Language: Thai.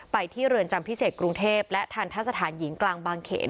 ที่เรือนจำพิเศษกรุงเทพและทันทะสถานหญิงกลางบางเขน